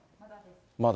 まだ？